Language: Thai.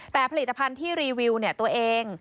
แต่ผลิตภัณฑ์ที่รีวิวตัวเอง